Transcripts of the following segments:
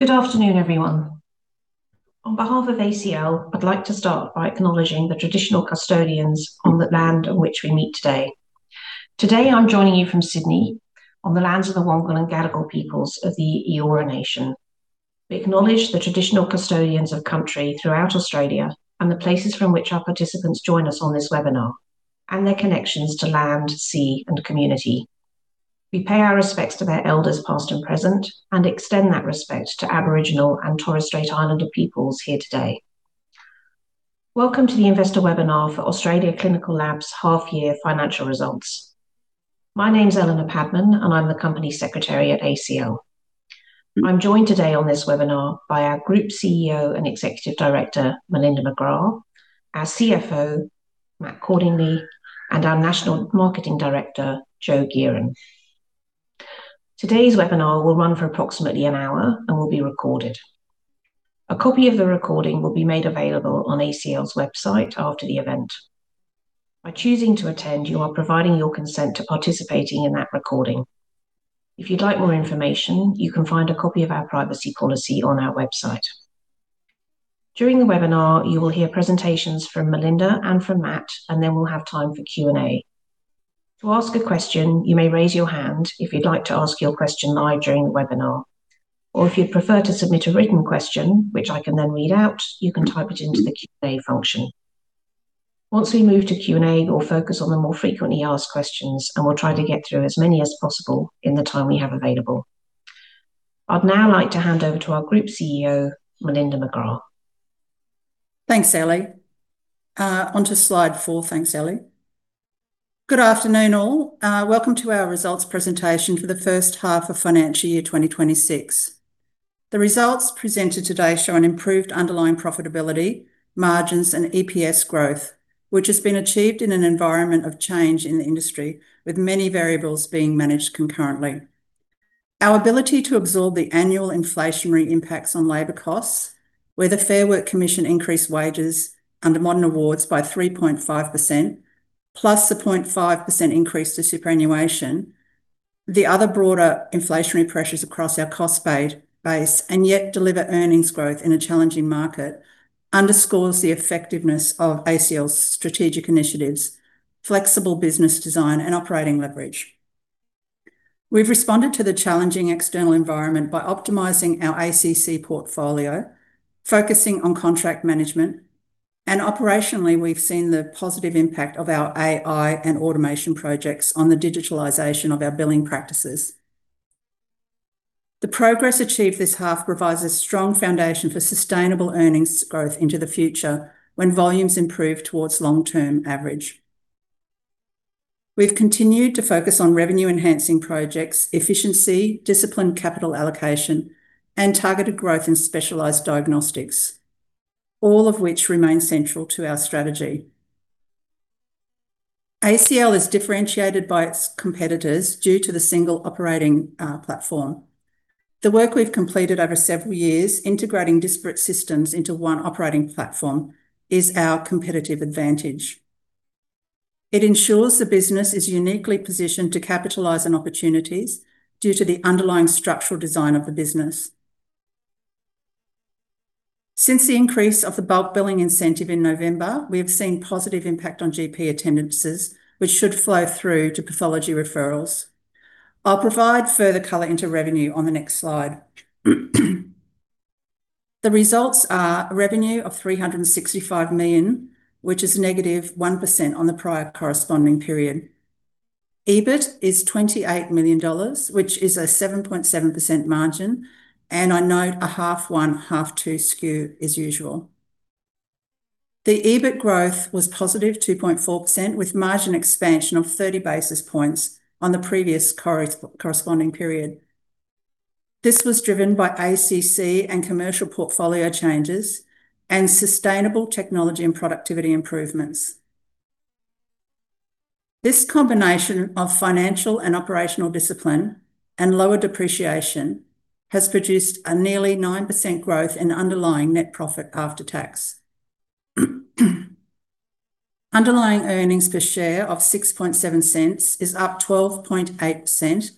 Good afternoon, everyone. On behalf of ACL, I'd like to start by acknowledging the traditional custodians on the land on which we meet today. Today, I'm joining you from Sydney, on the lands of the Wangal and Gadigal peoples of the Eora Nation. We acknowledge the traditional custodians of country throughout Australia, and the places from which our participants join us on this webinar, and their connections to land, sea, and community. We pay our respects to their elders, past and present, and extend that respect to Aboriginal and Torres Strait Islander peoples here today. Welcome to the investor webinar for Australian Clinical Labs' half-year financial results. My name's Eleanor Padman, and I'm the Company Secretary at ACL. I'm joined today on this webinar by our Group CEO and Executive Director, Melinda McGrath, our CFO, Matt Cordingley, and our National Marketing Director, Jo Geering. Today's webinar will run for approximately an hour and will be recorded. A copy of the recording will be made available on ACL's website after the event. By choosing to attend, you are providing your consent to participating in that recording. If you'd like more information, you can find a copy of our privacy policy on our website. During the webinar, you will hear presentations from Melinda and from Matt, and then we'll have time for Q&A. To ask a question, you may raise your hand if you'd like to ask your question live during the webinar, or if you'd prefer to submit a written question, which I can then read out, you can type it into the Q&A function. Once we move to Q&A, we'll focus on the more frequently asked questions, and we'll try to get through as many as possible in the time we have available. I'd now like to hand over to our Group CEO, Melinda McGrath. Thanks, Ellie. On to slide four. Thanks, Ellie. Good afternoon, all. Welcome to our results presentation for the first half of financial year 2026. The results presented today show an improved underlying profitability, margins, and EPS growth, which has been achieved in an environment of change in the industry, with many variables being managed concurrently. Our ability to absorb the annual inflationary impacts on labor costs, where the Fair Work Commission increased wages under modern awards by 3.5%, plus the 0.5% increase to superannuation, the other broader inflationary pressures across our cost base, and yet deliver earnings growth in a challenging market, underscores the effectiveness of ACL's strategic initiatives, flexible business design, and operating leverage. We've responded to the challenging external environment by optimizing our ACC portfolio, focusing on contract management, and operationally, we've seen the positive impact of our AI and automation projects on the digitalization of our billing practices. The progress achieved this half provides a strong foundation for sustainable earnings growth into the future when volumes improve towards long-term average. We've continued to focus on revenue-enhancing projects, efficiency, disciplined capital allocation, and targeted growth in specialized diagnostics, all of which remain central to our strategy. ACL is differentiated by its competitors due to the single operating platform. The work we've completed over several years, integrating disparate systems into one operating platform, is our competitive advantage. It ensures the business is uniquely positioned to capitalize on opportunities due to the underlying structural design of the business. Since the increase of the bulk billing incentive in November, we have seen positive impact on GP attendances, which should flow through to pathology referrals. I'll provide further color into revenue on the next slide. The results are a revenue of 365 million, which is -1% on the prior corresponding period. EBIT is 28 million dollars, which is a 7.7% margin, and I note a half one, half two skew as usual. The EBIT growth was postive 2.4%, with margin expansion of 30 basis points on the previous corresponding period. This was driven by ACC and commercial portfolio changes and sustainable technology and productivity improvements. This combination of financial and operational discipline and lower depreciation has produced a nearly 9% growth in underlying net profit after tax. Underlying earnings per share of 0.067 is up 12.8%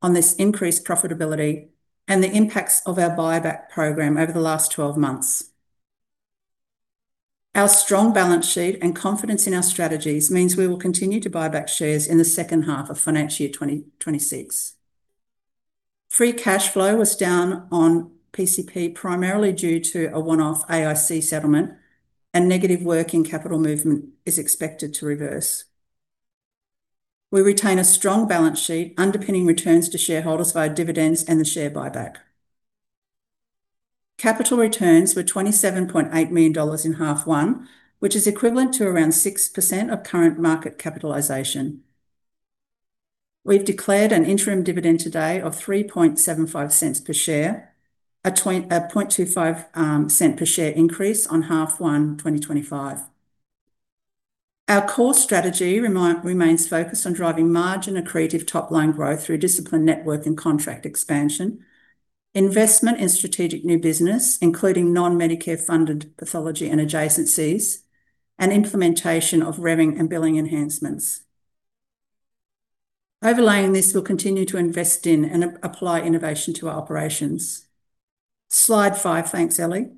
on this increased profitability and the impacts of our buyback program over the last 12 months. Our strong balance sheet and confidence in our strategies means we will continue to buy back shares in the second half of financial year 2026. Free cash flow was down on PCP, primarily due to a one-off AIC settlement, and negative working capital movement is expected to reverse. We retain a strong balance sheet, underpinning returns to shareholders via dividends and the share buyback. Capital returns were 27.8 million dollars in half one, which is equivalent to around 6% of current market capitalization. We've declared an interim dividend today of 0.0375 per share, a 0.25 per share increase on half one 2025. Our core strategy remains focused on driving margin-accretive top-line growth through disciplined network and contract expansion, investment in strategic new business, including non-Medicare funded pathology and adjacencies, and implementation of revenue and billing enhancements.... Overlaying this, we'll continue to invest in and apply innovation to our operations. Slide five. Thanks, Ellie.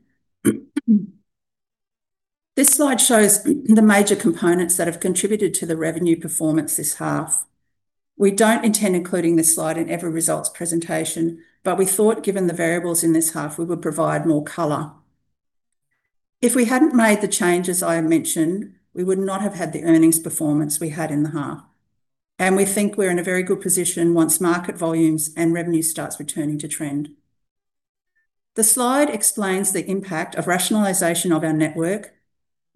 This slide shows the major components that have contributed to the revenue performance this half. We don't intend including this slide in every results presentation, but we thought, given the variables in this half, we would provide more color. If we hadn't made the changes I have mentioned, we would not have had the earnings performance we had in the half, and we think we're in a very good position once market volumes and revenue starts returning to trend. The slide explains the impact of rationalization of our network,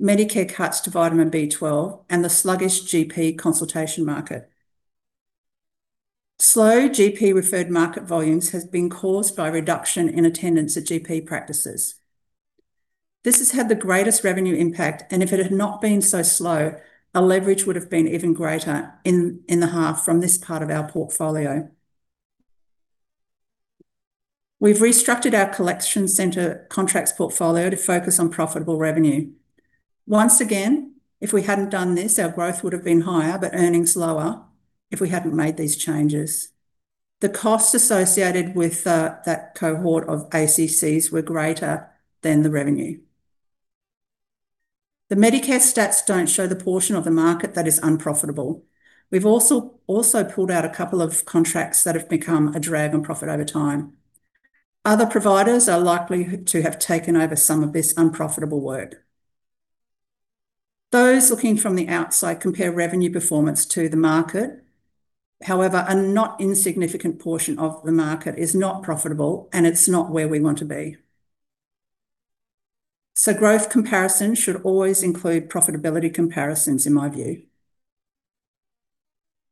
Medicare cuts to vitamin B12, and the sluggish GP consultation market. Slow GP-referred market volumes has been caused by a reduction in attendance at GP practices. This has had the greatest revenue impact, and if it had not been so slow, our leverage would have been even greater in the half from this part of our portfolio. We've restructured our collection center contracts portfolio to focus on profitable revenue. Once again, if we hadn't done this, our growth would have been higher, but earnings lower if we hadn't made these changes. The costs associated with that cohort of ACCs were greater than the revenue. The Medicare stats don't show the portion of the market that is unprofitable. We've also pulled out a couple of contracts that have become a drag on profit over time. Other providers are likely to have taken over some of this unprofitable work. Those looking from the outside compare revenue performance to the market, however, a not insignificant portion of the market is not profitable, and it's not where we want to be. So growth comparison should always include profitability comparisons, in my view.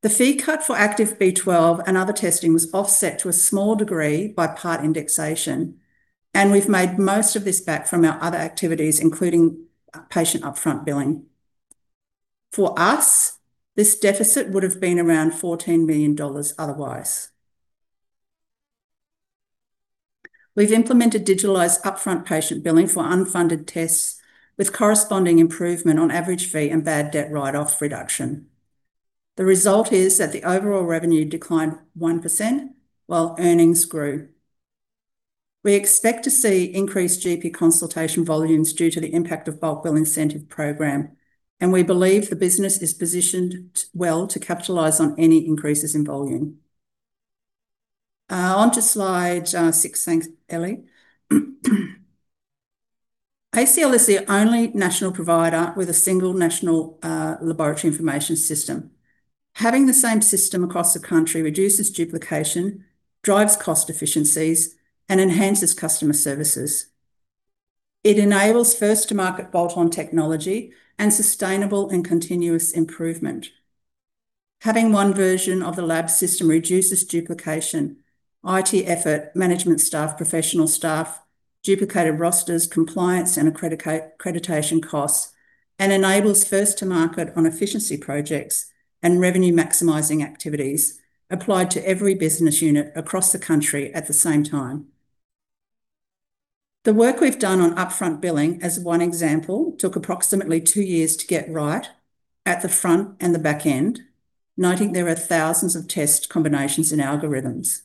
The fee cut for Active B12 and other testing was offset to a small degree by part indexation, and we've made most of this back from our other activities, including, patient upfront billing. For us, this deficit would have been around AUD 14 million otherwise. We've implemented digitalized upfront patient billing for unfunded tests, with corresponding improvement on average fee and bad debt write-off reduction. The result is that the overall revenue declined 1%, while earnings grew. We expect to see increased GP consultation volumes due to the impact of bulk billing incentive program, and we believe the business is positioned well to capitalize on any increases in volume. On to slide six. Thanks, Ellie. ACL is the only national provider with a single national laboratory information system. Having the same system across the country reduces duplication, drives cost efficiencies, and enhances customer services. It enables first-to-market bolt-on technology and sustainable and continuous improvement. Having one version of the lab system reduces duplication, IT effort, management staff, professional staff, duplicated rosters, compliance, and accreditation costs, and enables first to market on efficiency projects and revenue-maximizing activities applied to every business unit across the country at the same time. The work we've done on upfront billing, as one example, took approximately two years to get right at the front and the back end, noting there are thousands of test combinations and algorithms.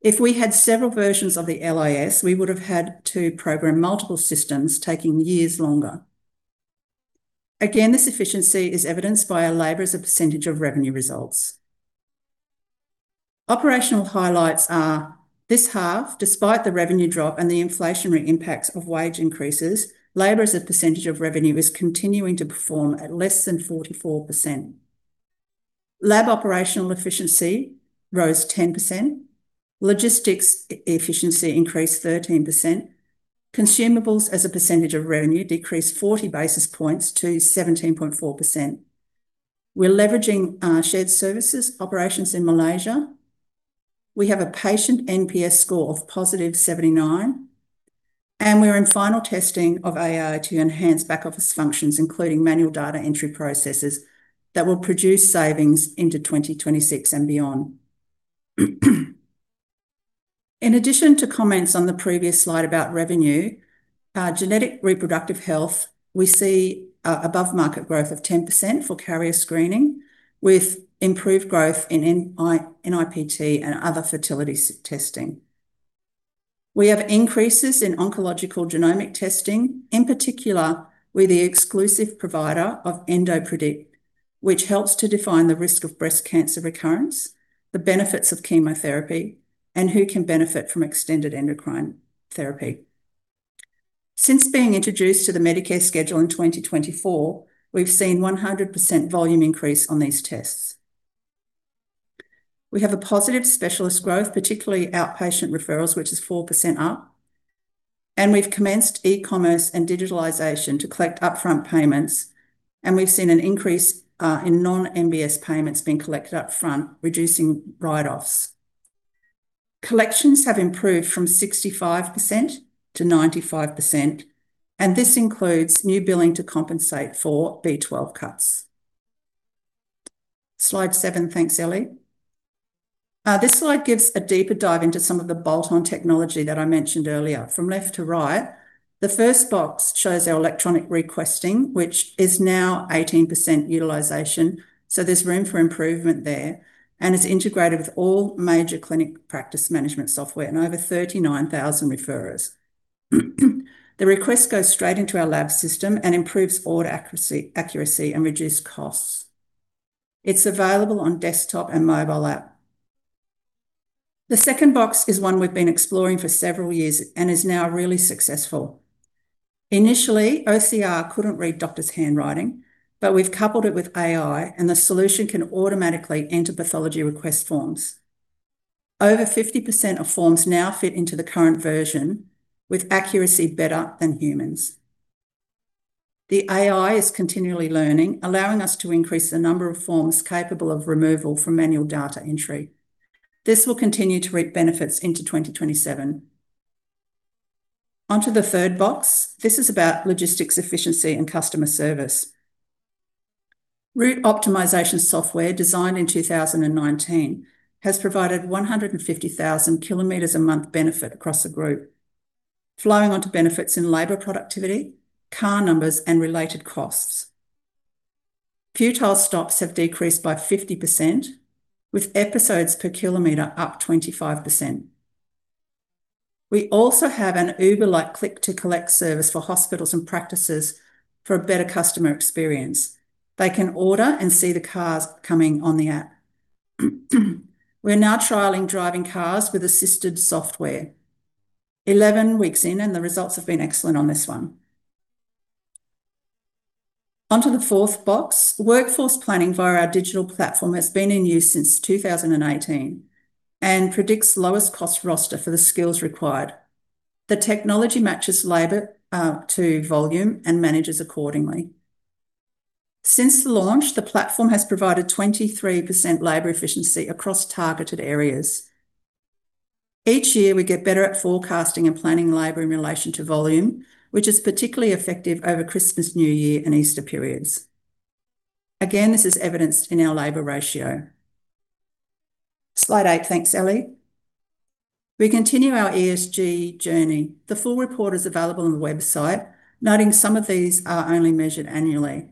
If we had several versions of the LIS, we would have had to program multiple systems, taking years longer. Again, this efficiency is evidenced by our labor as a percentage of revenue results. Operational highlights are: this half, despite the revenue drop and the inflationary impacts of wage increases, labor as a percentage of revenue is continuing to perform at less than 44%. Lab operational efficiency rose 10%. Logistics efficiency increased 13%. Consumables as a percentage of revenue decreased 40 basis points to 17.4%. We're leveraging shared services operations in Malaysia. We have a patient NPS score of +79, and we're in final testing of AI to enhance back-office functions, including manual data entry processes, that will produce savings into 2026 and beyond. In addition to comments on the previous slide about revenue, genetic reproductive health, we see above-market growth of 10% for carrier screening, with improved growth in NIPT and other fertility testing. We have increases in oncological genomic testing. In particular, we're the exclusive provider of EndoPredict, which helps to define the risk of breast cancer recurrence, the benefits of chemotherapy, and who can benefit from extended endocrine therapy. Since being introduced to the Medicare schedule in 2024, we've seen 100% volume increase on these tests. We have a positive specialist growth, particularly outpatient referrals, which is 4% up, and we've commenced e-commerce and digitalization to collect upfront payments, and we've seen an increase in non-MBS payments being collected upfront, reducing write-offs. Collections have improved from 65% to 95%, and this includes new billing to compensate for MBS cuts. Slide seven. Thanks, Ellie. This slide gives a deeper dive into some of the bolt-on technology that I mentioned earlier. From left to right, the first box shows our electronic requesting, which is now 18% utilization, so there's room for improvement there, and it's integrated with all major clinic practice management software and over 39,000 referrers. The request goes straight into our lab system and improves order accuracy, accuracy, and reduced costs. It's available on desktop and mobile app. The second box is one we've been exploring for several years and is now really successful. Initially, OCR couldn't read doctor's handwriting, but we've coupled it with AI, and the solution can automatically enter pathology request forms. Over 50% of forms now fit into the current version, with accuracy better than humans. The AI is continually learning, allowing us to increase the number of forms capable of removal from manual data entry. This will continue to reap benefits into 2027. Onto the third box. This is about logistics, efficiency, and customer service. Route optimization software, designed in 2019, has provided 150,000 km a month benefit across the group, flowing onto benefits in labor productivity, car numbers, and related costs. Futile stops have decreased by 50%, with episodes per kilometer up 25%. We also have an Uber-like click-to-collect service for hospitals and practices for a better customer experience. They can order and see the cars coming on the app. We're now trialing driving cars with assisted software. 11 weeks in, and the results have been excellent on this one. Onto the fourth box. Workforce planning via our digital platform has been in use since 2018 and predicts lowest cost roster for the skills required. The technology matches labor to volume and manages accordingly. Since the launch, the platform has provided 23% labor efficiency across targeted areas. Each year, we get better at forecasting and planning labor in relation to volume, which is particularly effective over Christmas, New Year, and Easter periods. Again, this is evidenced in our labor ratio. Slide eight. Thanks, Ellie. We continue our ESG journey. The full report is available on the website, noting some of these are only measured annually.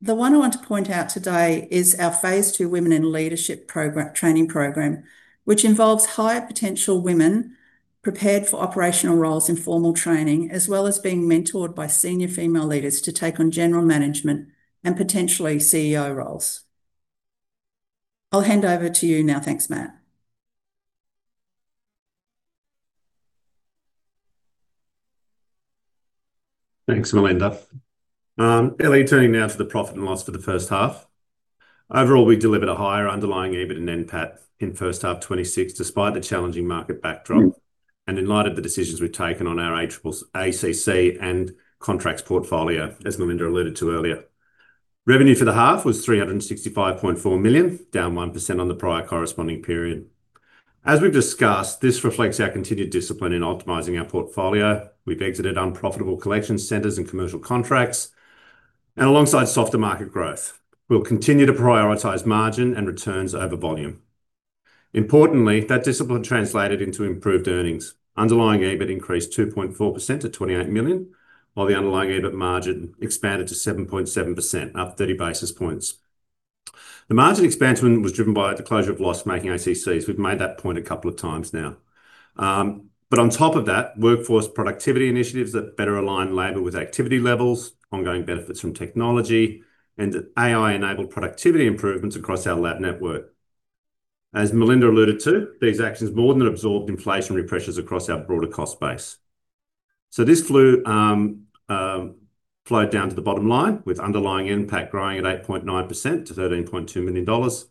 The one I want to point out today is our Phase Two Women in Leadership Program, Training Program, which involves high-potential women prepared for operational roles in formal training, as well as being mentored by senior female leaders to take on general management and potentially CEO roles. I'll hand over to you now. Thanks, Matt. Thanks, Melinda. Ellie, turning now to the profit and loss for the first half. Overall, we delivered a higher underlying EBIT and NPAT in first half 2026, despite the challenging market backdrop and in light of the decisions we've taken on our ACC and contracts portfolio, as Melinda alluded to earlier. Revenue for the half was 365.4 million, down 1% on the prior corresponding period. As we've discussed, this reflects our continued discipline in optimizing our portfolio. We've exited unprofitable collection centers and commercial contracts, and alongside softer market growth, we'll continue to prioritize margin and returns over volume. Importantly, that discipline translated into improved earnings. Underlying EBIT increased 2.4% to 28 million, while the underlying EBIT margin expanded to 7.7%, up 30 basis points. The margin expansion was driven by the closure of loss-making ACCs. We've made that point a couple of times now. But on top of that, workforce productivity initiatives that better align labor with activity levels, ongoing benefits from technology, and AI-enabled productivity improvements across our lab network. As Melinda alluded to, these actions more than absorbed inflationary pressures across our broader cost base. So this flowed down to the bottom line, with underlying impact growing at 8.9% to 13.2 million dollars,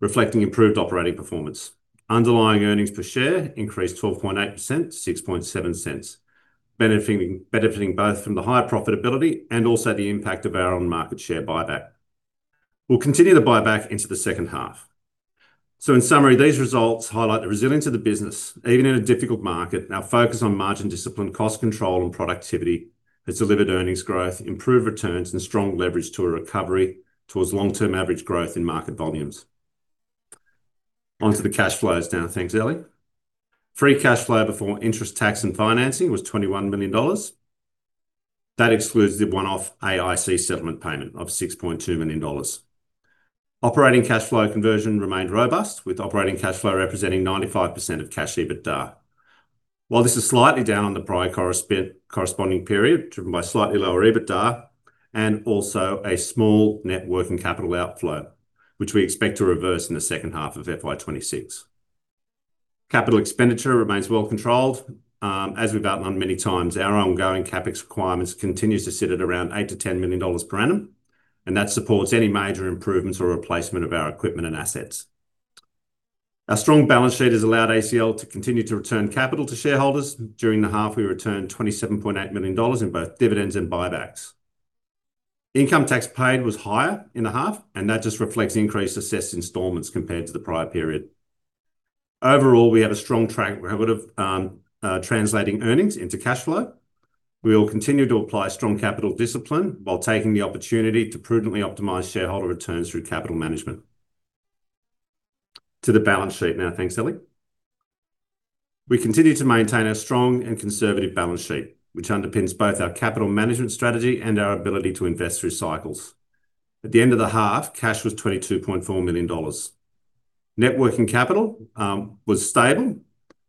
reflecting improved operating performance. Underlying earnings per share increased 12.8% to 0.067, benefiting both from the higher profitability and also the impact of our on-market share buyback. We'll continue to buy back into the second half. So in summary, these results highlight the resilience of the business, even in a difficult market. Our focus on margin discipline, cost control, and productivity has delivered earnings growth, improved returns, and strong leverage to a recovery towards long-term average growth in market volumes. Onto the cash flows now. Thanks, Ellie. Free cash flow before interest, tax, and financing was 21 million dollars. That excludes the one-off AIC settlement payment of 6.2 million dollars. Operating cash flow conversion remained robust, with operating cash flow representing 95% of cash EBITDA. While this is slightly down on the prior corresponding period, driven by slightly lower EBITDA and also a small net working capital outflow, which we expect to reverse in the second half of FY 2026. Capital expenditure remains well controlled. As we've outlined many times, our ongoing CapEx requirements continues to sit at around 8 million to 10 million dollars per annum, and that supports any major improvements or replacement of our equipment and assets. Our strong balance sheet has allowed ACL to continue to return capital to shareholders. During the half, we returned 27.8 million dollars in both dividends and buybacks. Income tax paid was higher in the half, and that just reflects increased assessed installments compared to the prior period.... Overall, we have a strong track record of translating earnings into cash flow. We will continue to apply strong capital discipline while taking the opportunity to prudently optimize shareholder returns through capital management. To the balance sheet now. Thanks, Ellie. We continue to maintain a strong and conservative balance sheet, which underpins both our capital management strategy and our ability to invest through cycles. At the end of the half, cash was 22.4 million dollars. Net working capital was stable.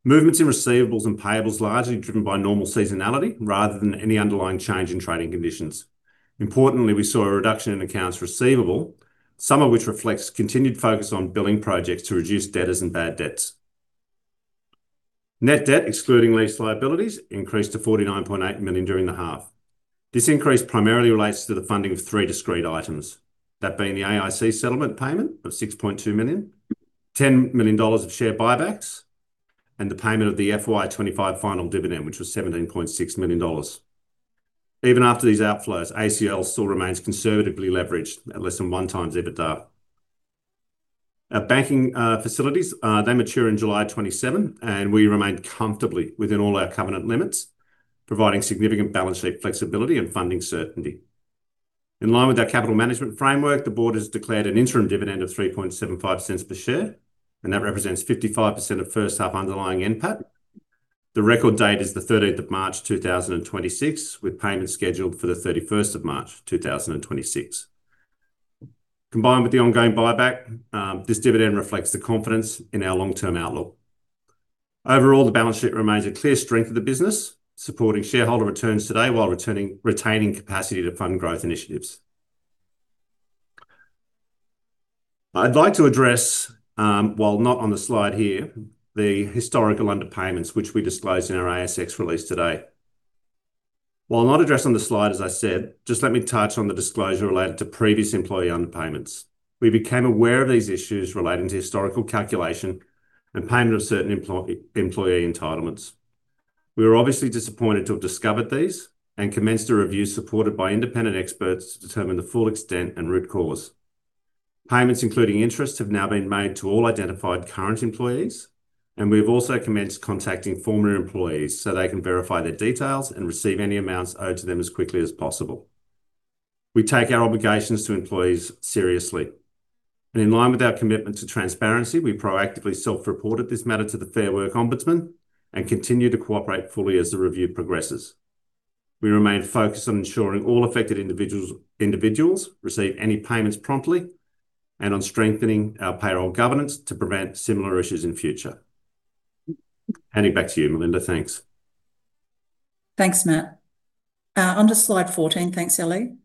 Movements in receivables and payables largely driven by normal seasonality rather than any underlying change in trading conditions. Importantly, we saw a reduction in accounts receivable, some of which reflects continued focus on billing projects to reduce debtors and bad debts. Net debt, excluding lease liabilities, increased to 49.8 million during the half. This increase primarily relates to the funding of 3 discrete items, that being the AIC settlement payment of 6.2 million, 10 million dollars of share buybacks, and the payment of the FY 2025 final dividend, which was 17.6 million dollars. Even after these outflows, ACL still remains conservatively leveraged at less than 1x EBITDA. Our banking facilities, they mature in July 2027, and we remain comfortably within all our covenant limits, providing significant balance sheet flexibility and funding certainty. In line with our capital management framework, the board has declared an interim dividend of 0.0375 per share, and that represents 55% of first half underlying NPAT. The record date is the 13th of March, 2026, with payments scheduled for the 31st of March, 2026. Combined with the ongoing buyback, this dividend reflects the confidence in our long-term outlook. Overall, the balance sheet remains a clear strength of the business, supporting shareholder returns today while retaining capacity to fund growth initiatives. I'd like to address, while not on the slide here, the historical underpayments, which we disclosed in our ASX release today. While not addressed on the slide, as I said, just let me touch on the disclosure related to previous employee underpayments. We became aware of these issues relating to historical calculation and payment of certain employee entitlements. We were obviously disappointed to have discovered these and commenced a review, supported by independent experts, to determine the full extent and root cause. Payments, including interest, have now been made to all identified current employees, and we've also commenced contacting former employees so they can verify their details and receive any amounts owed to them as quickly as possible. We take our obligations to employees seriously, and in line with our commitment to transparency, we proactively self-reported this matter to the Fair Work Ombudsman and continue to cooperate fully as the review progresses. We remain focused on ensuring all affected individuals receive any payments promptly and on strengthening our payroll governance to prevent similar issues in future. Handing back to you, Melinda. Thanks. Thanks, Matt. On to slide 14. Thanks, Ellie.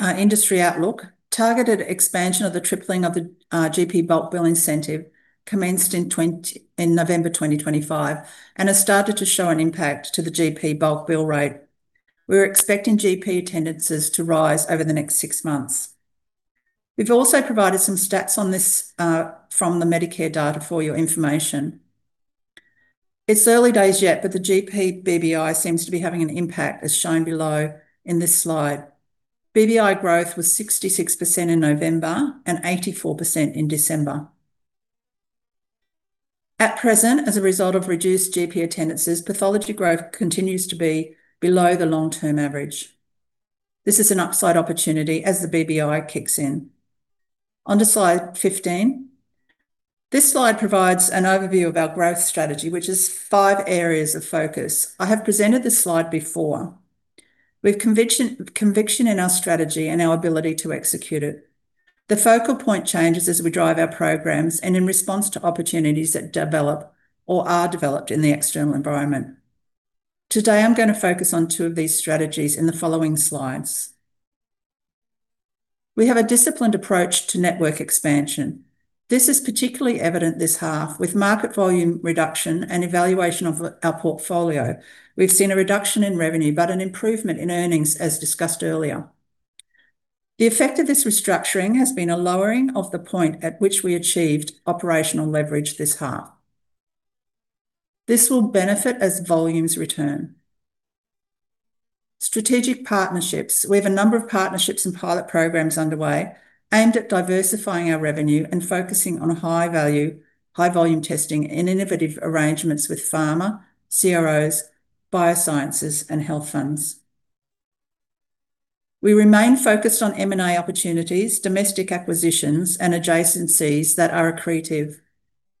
Industry outlook. Targeted expansion of the tripling of the GP Bulk Billing Incentive commenced in November 2025 and has started to show an impact to the GP bulk bill rate. We're expecting GP attendances to rise over the next six months. We've also provided some stats on this from the Medicare data for your information. It's early days yet, but the GP BBI seems to be having an impact, as shown below in this slide. BBI growth was 66% in November and 84% in December. At present, as a result of reduced GP attendances, pathology growth continues to be below the long-term average. This is an upside opportunity as the BBI kicks in. On to slide 15. This slide provides an overview of our growth strategy, which is five areas of focus. I have presented this slide before. We've conviction, conviction in our strategy and our ability to execute it. The focal point changes as we drive our programs and in response to opportunities that develop or are developed in the external environment. Today, I'm gonna focus on two of these strategies in the following slides. We have a disciplined approach to network expansion. This is particularly evident this half. With market volume reduction and evaluation of our portfolio, we've seen a reduction in revenue, but an improvement in earnings, as discussed earlier. The effect of this restructuring has been a lowering of the point at which we achieved operational leverage this half. This will benefit as volumes return. Strategic partnerships. We have a number of partnerships and pilot programs underway, aimed at diversifying our revenue and focusing on high-value, high-volume testing and innovative arrangements with pharma, CROs, biosciences, and health funds. We remain focused on M&A opportunities, domestic acquisitions, and adjacencies that are accretive.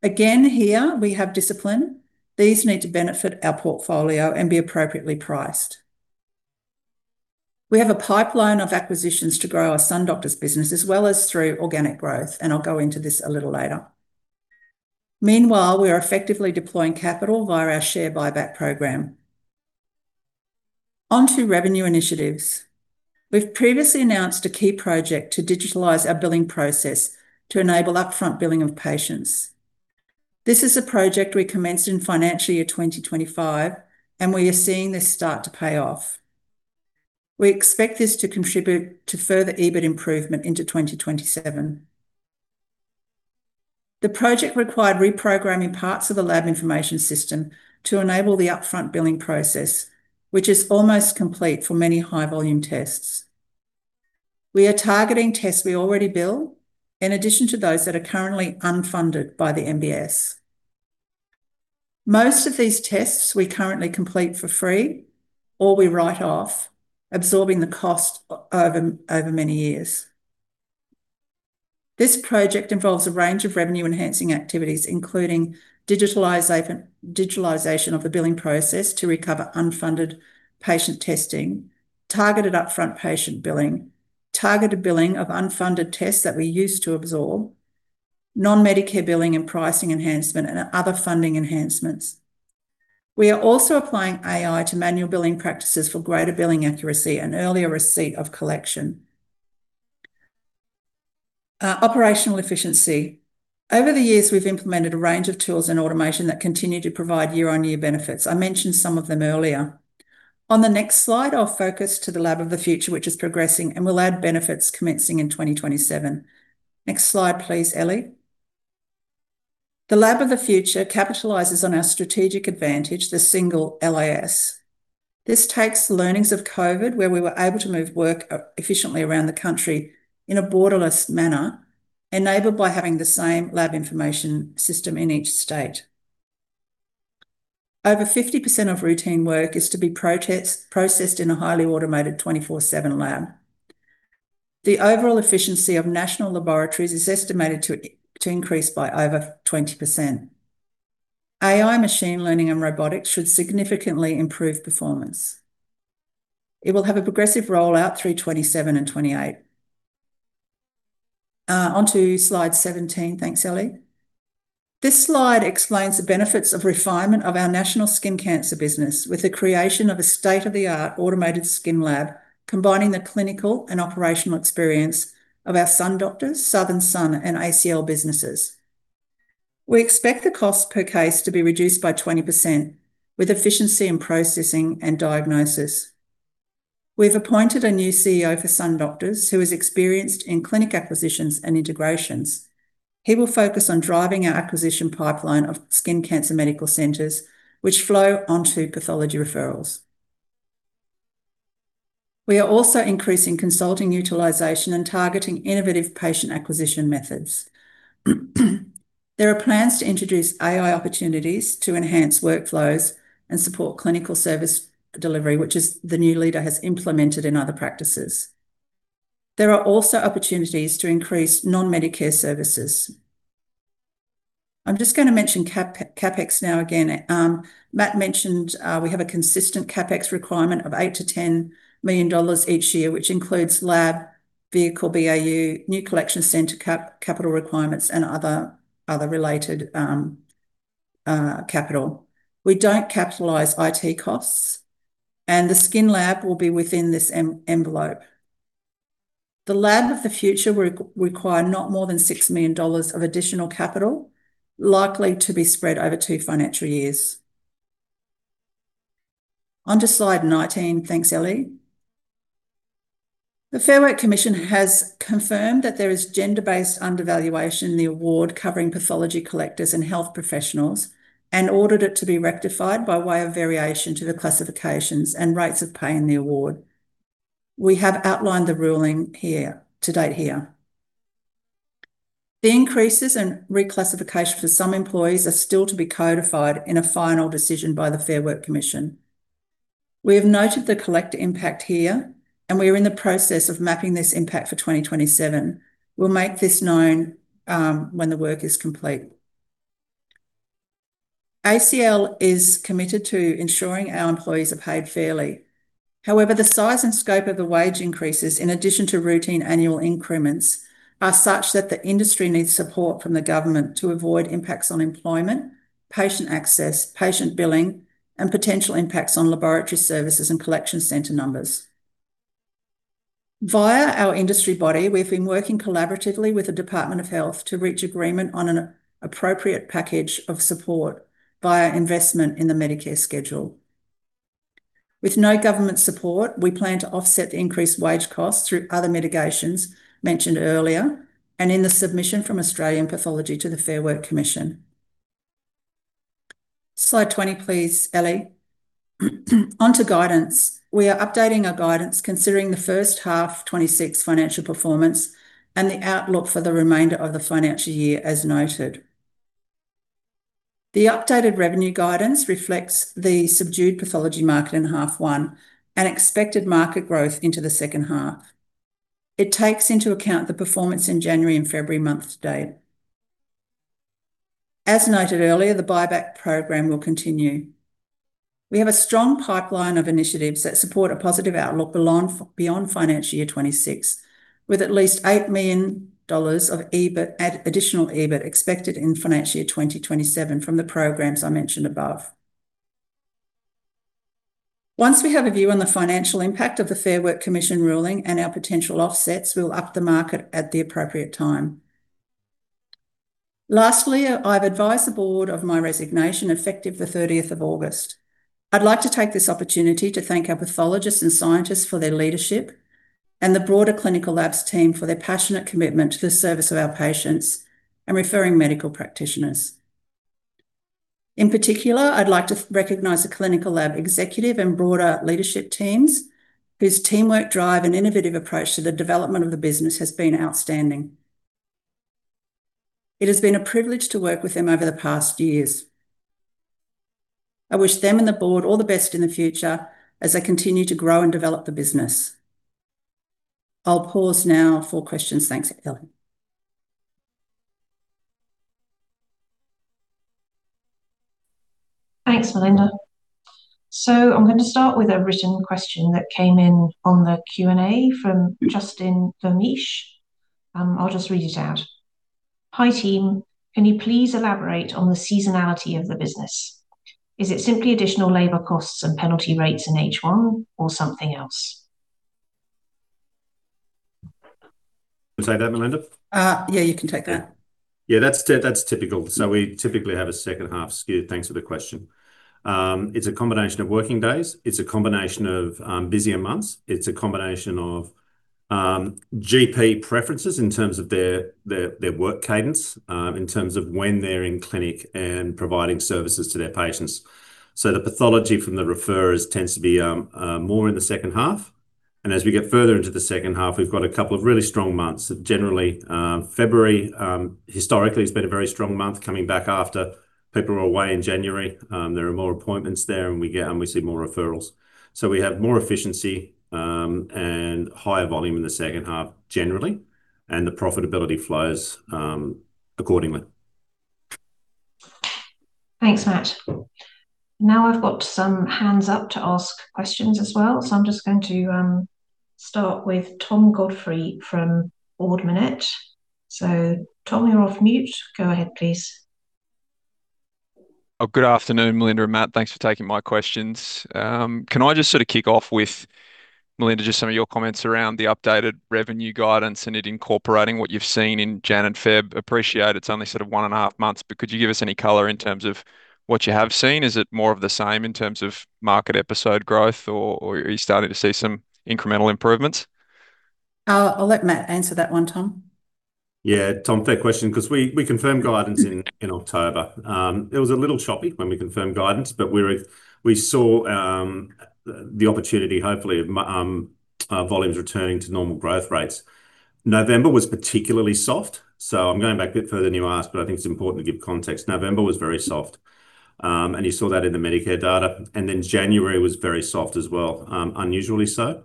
Again, here, we have discipline. These need to benefit our portfolio and be appropriately priced. We have a pipeline of acquisitions to grow our SunDoctors business, as well as through organic growth, and I'll go into this a little later. Meanwhile, we are effectively deploying capital via our share buyback program. On to revenue initiatives. We've previously announced a key project to digitalize our billing process to enable upfront billing of patients. This is a project we commenced in financial year 2025, and we are seeing this start to pay off. We expect this to contribute to further EBIT improvement into 2027. The project required reprogramming parts of the lab information system to enable the upfront billing process, which is almost complete for many high-volume tests. We are targeting tests we already bill, in addition to those that are currently unfunded by the MBS. Most of these tests we currently complete for free or we write off, absorbing the cost over many years. This project involves a range of revenue-enhancing activities, including digitalization of the billing process to recover unfunded patient testing, targeted upfront patient billing, targeted billing of unfunded tests that we used to absorb, non-Medicare billing and pricing enhancement, and other funding enhancements. We are also applying AI to manual billing practices for greater billing accuracy and earlier receipt of collection. Operational efficiency. Over the years, we've implemented a range of tools and automation that continue to provide year-on-year benefits. I mentioned some of them earlier. On the next slide, I'll focus to the Lab of the Future, which is progressing and will add benefits commencing in 2027. Next slide, please, Ellie. The Lab of the Future capitalizes on our strategic advantage, the single LIS. This takes the learnings of COVID, where we were able to move work efficiently around the country in a borderless manner, enabled by having the same lab information system in each state. Over 50% of routine work is to be pre-processed in a highly automated 24/7 lab. The overall efficiency of national laboratories is estimated to increase by over 20%. AI, machine learning, and robotics should significantly improve performance. It will have a progressive rollout through 2027 and 2028. On to slide 17. Thanks, Ellie. This slide explains the benefits of refinement of our national skin cancer business, with the creation of a state-of-the-art automated skin lab, combining the clinical and operational experience of our SunDoctors, Southern Sun, and ACL businesses. We expect the cost per case to be reduced by 20%, with efficiency in processing and diagnosis. We've appointed a new CEO for SunDoctors, who is experienced in clinic acquisitions and integrations. He will focus on driving our acquisition pipeline of skin cancer medical centers, which flow onto pathology referrals. We are also increasing consulting utilization and targeting innovative patient acquisition methods. There are plans to introduce AI opportunities to enhance workflows and support clinical service delivery, which is... the new leader has implemented in other practices. There are also opportunities to increase non-Medicare services. I'm just gonna mention CapEx now again. Matt mentioned, we have a consistent CapEx requirement of 8 million-10 million dollars each year, which includes lab, vehicle, BAU, new collection center capital requirements, and other, other related capital. We don't capitalize IT costs, and the skin lab will be within this envelope. The Lab of the Future requires not more than 6 million dollars of additional capital, likely to be spread over two financial years. On to slide 19. Thanks, Ellie. The Fair Work Commission has confirmed that there is gender-based undervaluation in the award covering pathology collectors and health professionals, and ordered it to be rectified by way of variation to the classifications and rates of pay in the award. We have outlined the ruling here, to date here. The increases and reclassification for some employees are still to be codified in a final decision by the Fair Work Commission. We have noted the collector impact here, and we are in the process of mapping this impact for 2027. We'll make this known when the work is complete. ACL is committed to ensuring our employees are paid fairly. However, the size and scope of the wage increases, in addition to routine annual increments, are such that the industry needs support from the government to avoid impacts on employment, patient access, patient billing, and potential impacts on laboratory services and collection center numbers. Via our industry body, we've been working collaboratively with the Department of Health to reach agreement on an appropriate package of support via investment in the Medicare schedule. With no government support, we plan to offset the increased wage costs through other mitigations mentioned earlier and in the submission from Australian Pathology to the Fair Work Commission. Slide 20, please, Ellie. Onto guidance. We are updating our guidance, considering the first half 2026 financial performance and the outlook for the remainder of the financial year, as noted. The updated revenue guidance reflects the subdued pathology market in half one and expected market growth into the second half. It takes into account the performance in January and February month to date. As noted earlier, the buyback program will continue. We have a strong pipeline of initiatives that support a positive outlook beyond financial year 2026, with at least 8 million dollars of additional EBIT expected in financial year 2027 from the programs I mentioned above. Once we have a view on the financial impact of the Fair Work Commission ruling and our potential offsets, we'll update the market at the appropriate time. Lastly, I've advised the board of my resignation, effective the 30th of August. I'd like to take this opportunity to thank our pathologists and scientists for their leadership. The broader clinical labs team for their passionate commitment to the service of our patients and referring medical practitioners. In particular, I'd like to recognize the clinical lab executive and broader leadership teams, whose teamwork, drive, and innovative approach to the development of the business has been outstanding. It has been a privilege to work with them over the past years. I wish them and the board all the best in the future as they continue to grow and develop the business. I'll pause now for questions. Thanks, Eleanor. Thanks, Melinda. So I'm going to start with a written question that came in on the Q&A from Justin Verniche. I'll just read it out: "Hi, team. Can you please elaborate on the seasonality of the business? Is it simply additional labor costs and penalty rates in H1, or something else?" Can I take that, Melinda? Yeah, you can take that. Yeah, that's typical. So we typically have a second half skew. Thanks for the question. It's a combination of working days, it's a combination of busier months, it's a combination of GP preferences in terms of their work cadence, in terms of when they're in clinic and providing services to their patients. So the pathology from the referrers tends to be more in the second half, and as we get further into the second half, we've got a couple of really strong months. Generally, February, historically, has been a very strong month, coming back after people are away in January. There are more appointments there, and we see more referrals. So we have more efficiency and higher volume in the second half generally, and the profitability flows accordingly. Thanks, Matt. Now I've got some hands up to ask questions as well, so I'm just going to start with Tom Godfrey from Ord Minnett. So Tom, you're off mute. Go ahead, please. Oh, good afternoon, Melinda and Matt. Thanks for taking my questions. Can I just sort of kick off with, Melinda, just some of your comments around the updated revenue guidance and it incorporating what you've seen in Jan and Feb? Appreciate it's only sort of one and a half months, but could you give us any color in terms of what you have seen? Is it more of the same in terms of market episode growth, or are you starting to see some incremental improvements? I'll let Matt answer that one, Tom. Yeah, Tom, fair question, 'cause we confirmed guidance in October. It was a little choppy when we confirmed guidance, but we saw the opportunity hopefully of volumes returning to normal growth rates. November was particularly soft, so I'm going back a bit further than you asked, but I think it's important to give context. November was very soft, and you saw that in the Medicare data, and then January was very soft as well, unusually so.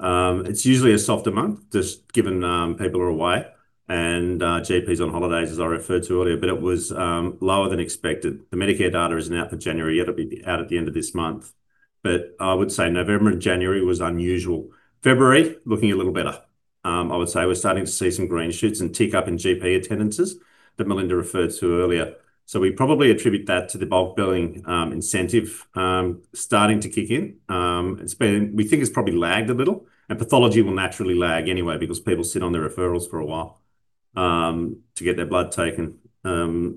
It's usually a softer month, just given people are away, and GPs on holidays, as I referred to earlier, but it was lower than expected. The Medicare data isn't out for January yet. It'll be out at the end of this month. But I would say November and January was unusual. February, looking a little better. I would say we're starting to see some green shoots and tick-up in GP attendances that Melinda referred to earlier. So we probably attribute that to the bulk billing incentive starting to kick in. It's been... We think it's probably lagged a little, and pathology will naturally lag anyway, because people sit on the referrals for a while to get their blood taken.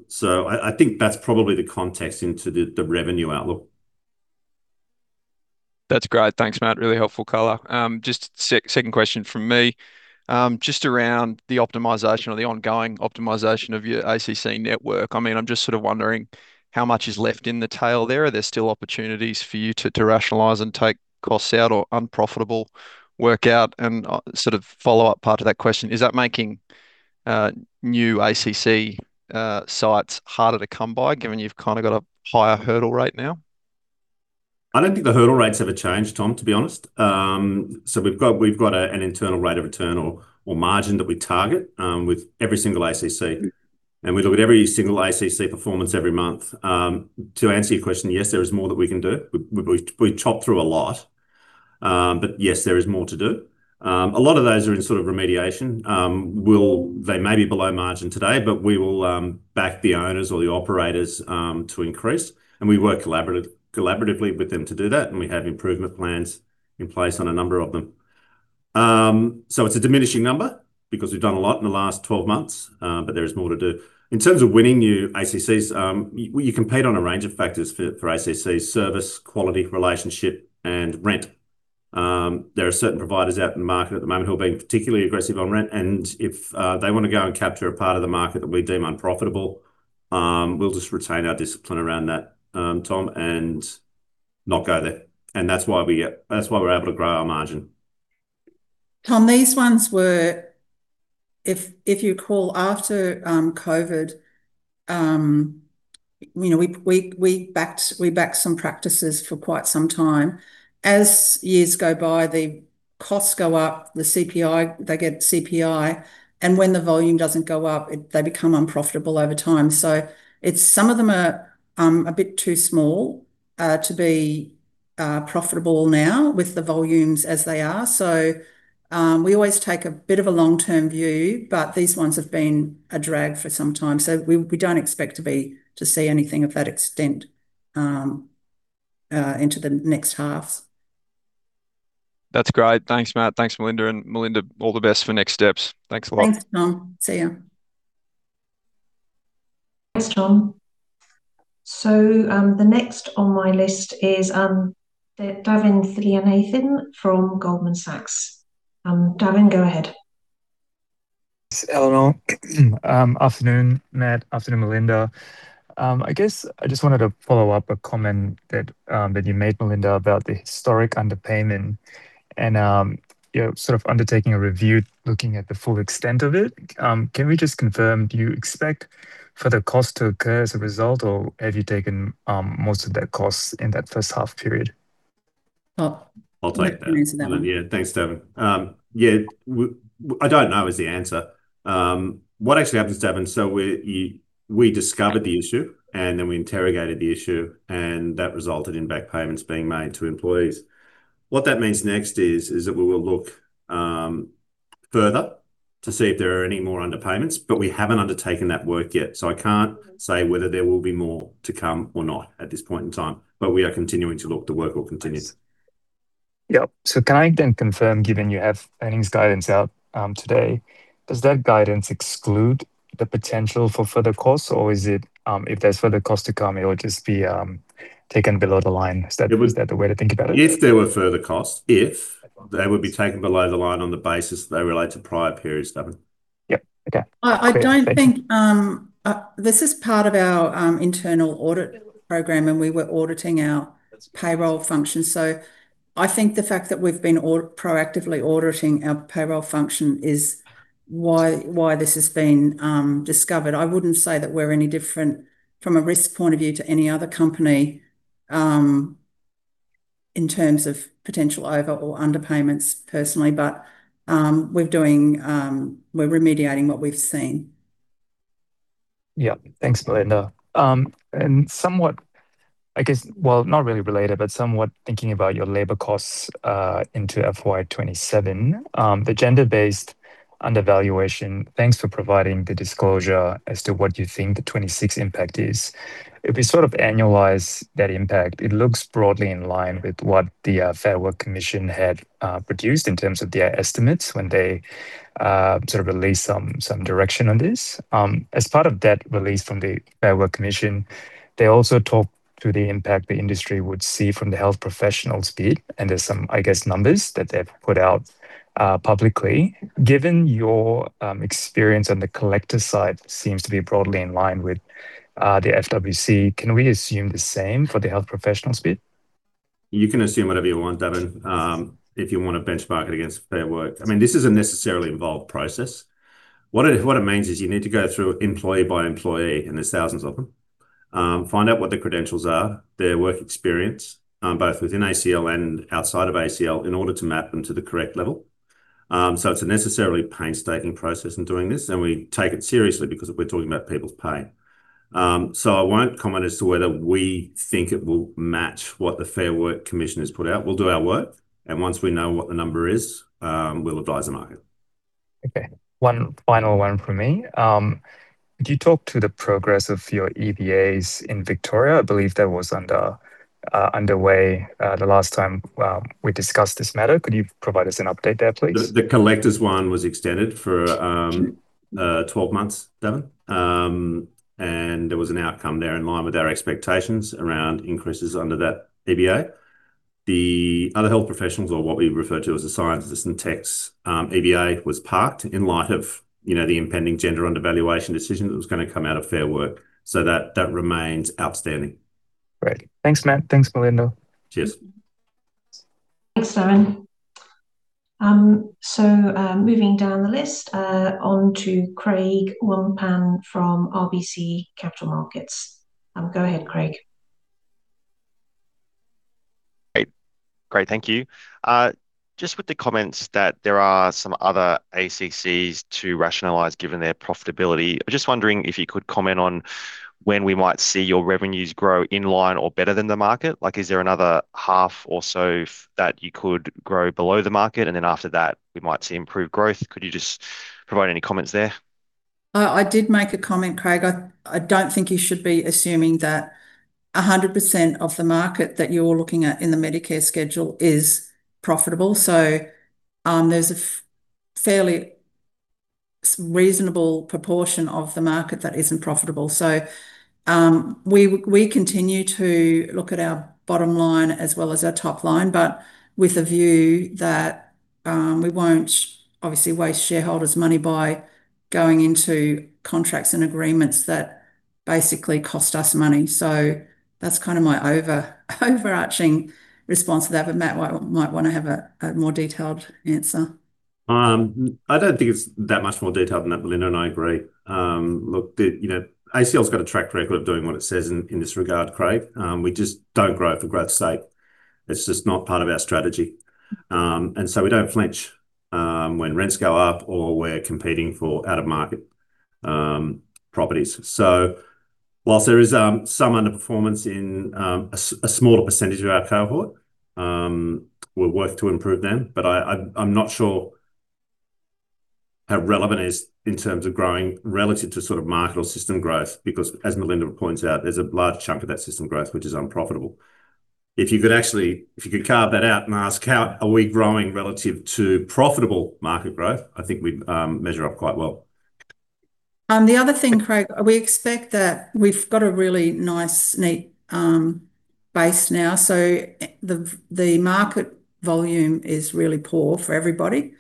So I think that's probably the context into the revenue outlook. That's great. Thanks, Matt. Really helpful color. Just second question from me, just around the optimization or the ongoing optimization of your ACC network. I mean, I'm just sort of wondering, how much is left in the tail there? Are there still opportunities for you to, to rationalize and take costs out or unprofitable work out? And sort of follow-up part to that question, is that making, new ACC sites harder to come by, given you've kind of got a higher hurdle rate now? I don't think the hurdle rates ever changed, Tom, to be honest. So we've got an internal rate of return or margin that we target with every single ACC, and we look at every single ACC performance every month. To answer your question, yes, there is more that we can do. We chopped through a lot, but yes, there is more to do. A lot of those are in sort of remediation. They may be below margin today, but we will back the owners or the operators to increase, and we work collaboratively with them to do that, and we have improvement plans in place on a number of them. So it's a diminishing number, because we've done a lot in the last 12 months, but there is more to do. In terms of winning new ACCs, you compete on a range of factors for ACC: service, quality, relationship, and rent. There are certain providers out in the market at the moment who are being particularly aggressive on rent, and if they want to go and capture a part of the market that we deem unprofitable, we'll just retain our discipline around that, Tom, and not go there, and that's why we... That's why we're able to grow our margin. Tom, these ones were, if you call after COVID, you know, we backed some practices for quite some time. As years go by, the costs go up, the CPI, they get CPI, and when the volume doesn't go up, they become unprofitable over time. So, some of them are a bit too small to be profitable now with the volumes as they are. So, we always take a bit of a long-term view, but these ones have been a drag for some time, so we don't expect to see anything of that extent into the next half. That's great. Thanks, Matt. Thanks, Melinda, and Melinda, all the best for next steps. Thanks a lot. Thanks, Tom. See you.... Thanks, Tom. So, the next on my list is, the Davin Thillainathan from Goldman Sachs. Davin, go ahead. Thanks, Eleanor. Afternoon, Matt. Afternoon, Melinda. I guess I just wanted to follow up a comment that you made, Melinda, about the historic underpayment and, you know, sort of undertaking a review, looking at the full extent of it. Can we just confirm, do you expect for the cost to occur as a result, or have you taken most of that cost in that first half period? Oh- I'll take that- You can answer that. Yeah. Thanks, Davin. Yeah, I don't know, is the answer. What actually happened is, Davin, so we discovered the issue, and then we interrogated the issue, and that resulted in back payments being made to employees. What that means next is that we will look further to see if there are any more underpayments, but we haven't undertaken that work yet. So I can't say whether there will be more to come or not at this point in time, but we are continuing to look. The work will continue. Yep. So can I then confirm, given you have earnings guidance out today, does that guidance exclude the potential for further costs, or is it, if there's further costs to come, it will just be taken below the line? There was- Is that the way to think about it? If there were further costs, they would be taken below the line on the basis they relate to prior periods, Davin. Yep, okay. I don't think this is part of our internal audit program, and we were auditing our payroll function. So I think the fact that we've been proactively auditing our payroll function is why this has been discovered. I wouldn't say that we're any different from a risk point of view to any other company in terms of potential over or underpayments personally. But we're remediating what we've seen. Yeah. Thanks, Melinda. And somewhat, I guess, well, not really related, but somewhat thinking about your labor costs into FY 2027. The gender-based undervaluation, thanks for providing the disclosure as to what you think the 2026 impact is. If we sort of annualize that impact, it looks broadly in line with what the Fair Work Commission had produced in terms of their estimates when they sort of released some direction on this. As part of that release from the Fair Work Commission, they also talked to the impact the industry would see from the health professionals bid, and there's some, I guess, numbers that they've put out publicly. Given your experience on the collector side seems to be broadly in line with the FWC, can we assume the same for the health professionals bid? You can assume whatever you want, Davin, if you want to benchmark it against Fair Work. I mean, this is a necessarily involved process. What it, what it means is you need to go through employee by employee, and there's thousands of them. Find out what their credentials are, their work experience, both within ACL and outside of ACL, in order to map them to the correct level. So it's a necessarily painstaking process in doing this, and we take it seriously because we're talking about people's pay. So I won't comment as to whether we think it will match what the Fair Work Commission has put out. We'll do our work, and once we know what the number is, we'll advise the market. Okay. One final one from me. Could you talk to the progress of your EBAs in Victoria? I believe that was underway the last time we discussed this matter. Could you provide us an update there, please? The collectors one was extended for 12 months, Davin. And there was an outcome there in line with our expectations around increases under that EBA. The other health professionals, or what we refer to as the scientists and techs, EBA, was parked in light of, you know, the impending gender undervaluation decision that was gonna come out of Fair Work. So that remains outstanding. Great. Thanks, Matt. Thanks, Melinda. Cheers. Thanks, Davin. So, moving down the list, on to Craig Wong-Pan from RBC Capital Markets. Go ahead, Craig. Great. Great, thank you. Just with the comments that there are some other ACCs to rationalize given their profitability, I'm just wondering if you could comment on when we might see your revenues grow in line or better than the market. Like, is there another half or so that you could grow below the market, and then after that, we might see improved growth? Could you just provide any comments there? I did make a comment, Craig. I don't think you should be assuming that 100% of the market that you're looking at in the Medicare schedule is profitable. So, there's a fairly reasonable proportion of the market that isn't profitable. So, we continue to look at our bottom line as well as our top line, but with a view that we won't obviously waste shareholders' money by going into contracts and agreements that basically cost us money. So that's kind of my overarching response to that, but Matt might wanna have a more detailed answer. I don't think it's that much more detailed than that, Melinda, and I agree. Look, the, you know, ACL's got a track record of doing what it says in, in this regard, Craig. We just don't grow it for growth's sake. It's just not part of our strategy. And so we don't flinch, when rents go up or we're competing for out-of-market, properties. So whilst there is, some underperformance in, a smaller percentage of our cohort, we'll work to improve them. But I'm not sure how relevant it is in terms of growing relative to sort of market or system growth, because as Melinda points out, there's a large chunk of that system growth which is unprofitable. If you could actually carve that out and ask how are we growing relative to profitable market growth, I think we'd measure up quite well. The other thing, Craig, we expect that we've got a really nice, neat base now. So the market volume is really poor for everybody.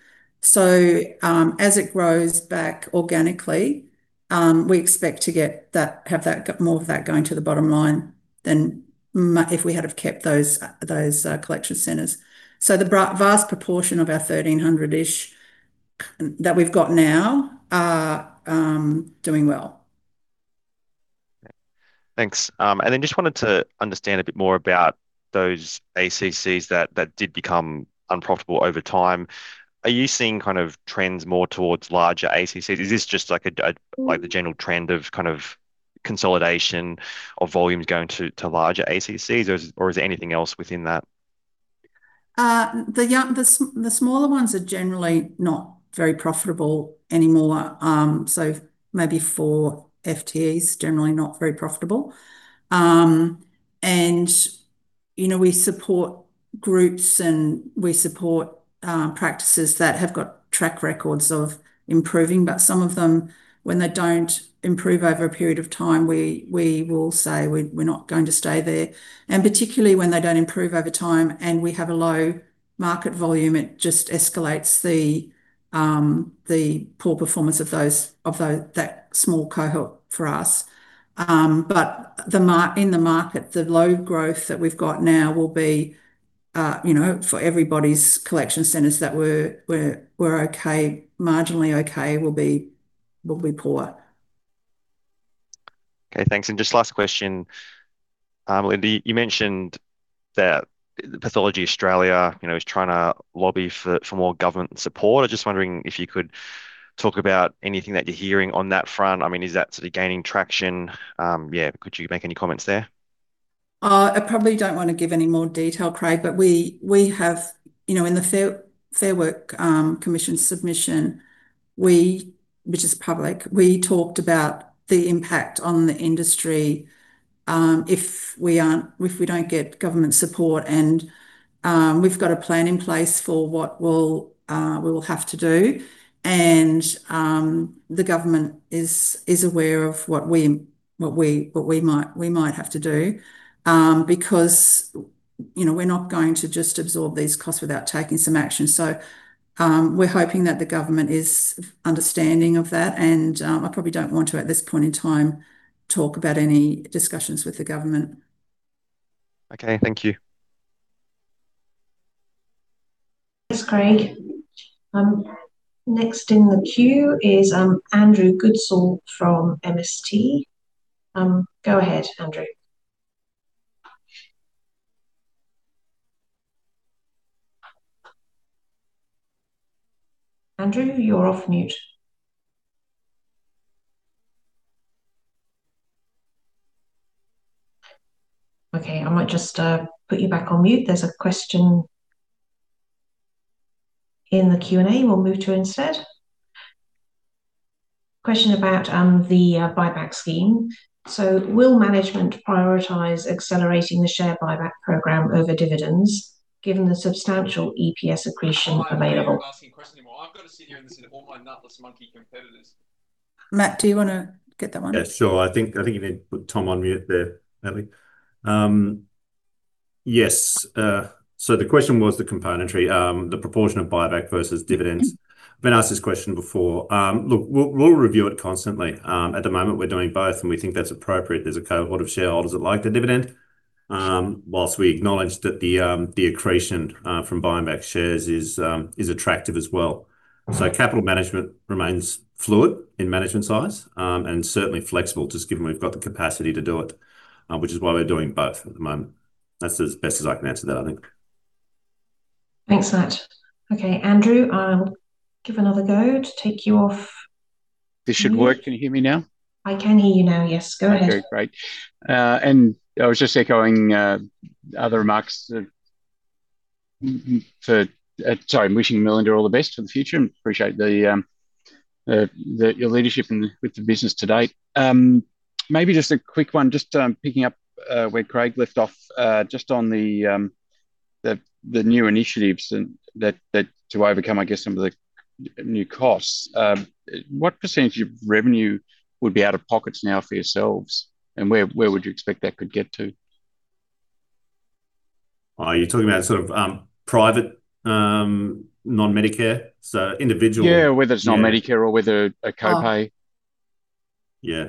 So as it grows back organically, we expect to get that, have that, got more of that going to the bottom line than if we had have kept those collection centers. So the vast proportion of our 1,300-ish that we've got now are doing well. Thanks. Then just wanted to understand a bit more about those ACCs that did become unprofitable over time. Are you seeing kind of trends more towards larger ACCs? Is this just like a Mm... like the general trend of kind of consolidation of volumes going to larger ACCs, or is there anything else within that? The smaller ones are generally not very profitable anymore. So maybe four FTEs, generally not very profitable. And, you know, we support groups, and we support practices that have got track records of improving. But some of them, when they don't improve over a period of time, we will say, "We're not going to stay there." And particularly when they don't improve over time, and we have a low market volume, it just escalates the poor performance of those, of that small cohort for us. But in the market, the low growth that we've got now will be, you know, for everybody's collection centers that were okay, marginally okay, will be poor. Okay, thanks. And just last question. Melinda, you mentioned that Pathology Australia, you know, is trying to lobby for more government support. I'm just wondering if you could talk about anything that you're hearing on that front. I mean, is that sort of gaining traction? Yeah, could you make any comments there? I probably don't want to give any more detail, Craig, but we have, you know, in the Fair Work Commission submission, which is public, we talked about the impact on the industry if we don't get government support, and we've got a plan in place for what we'll have to do. And the government is aware of what we might have to do. Because, you know, we're not going to just absorb these costs without taking some action. So, we're hoping that the government is understanding of that, and I probably don't want to, at this point in time, talk about any discussions with the government. Okay, thank you. Thanks, Craig. Next in the queue is Andrew Goodsall from MST. Go ahead, Andrew. Andrew, you're off mute. Okay, I might just put you back on mute. There's a question in the Q&A we'll move to instead. Question about the buyback scheme. So will management prioritize accelerating the share buyback program over dividends, given the substantial EPS accretion available? I'm asking questions anymore. I've got to sit here and listen to all my nutless monkey competitors. Matt, do you want to get that one? Yeah, sure. I think you need to put Tom on mute there, Natalie. Yes, so the question was the componentry, the proportion of buyback versus dividends. Mm-hmm. I've been asked this question before. Look, we'll review it constantly. At the moment, we're doing both, and we think that's appropriate. There's a cohort of shareholders that like the dividend, whilst we acknowledge that the accretion from buying back shares is attractive as well. So capital management remains fluid in management size and certainly flexible, just given we've got the capacity to do it, which is why we're doing both at the moment. That's as best as I can answer that, I think. Thanks, Matt. Okay, Andrew, I'll give another go to take you off- This should work. Can you hear me now? I can hear you now, yes. Go ahead. Okay, great. And I was just echoing other remarks for... Sorry, I'm wishing Melinda all the best for the future, and appreciate the your leadership in with the business to date. Maybe just a quick one, just picking up where Craig left off, just on the new initiatives and that to overcome, I guess, some of the new costs. What percentage of revenue would be out-of-pockets now for yourselves, and where would you expect that could get to? Oh, you're talking about sort of, private, non-Medicare, so individual- Yeah, whether it's non-Medicare or whether a co-pay. Oh. Yeah.